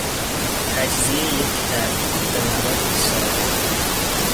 تجزیهی یک ترکیب به مواد ساده